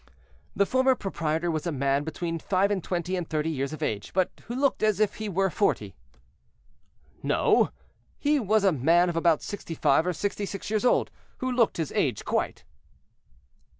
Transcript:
"The former proprietor was a man between five and twenty and thirty years of age, but who looked as if he were forty." "No; he was a man of about sixty five or sixty six years old, who looked his age quite."